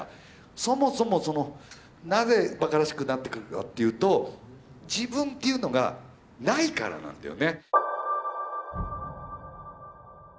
そもそもそのなぜバカらしくなってくるかっていうと自分っていうのがないからなんだよね。